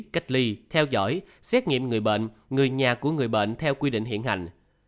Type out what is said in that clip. cách ly theo dõi xét nghiệm người bệnh người nhà của người bệnh theo quy định hiện hành